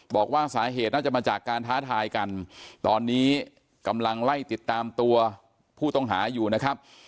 บอกว่าสาเหตุน่าจะมาจากการท้าทายกันตอนนี้กำลังไล่ติดตามตัวผู้ต้องหาอยู่นะครับ